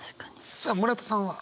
さあ村田さんは。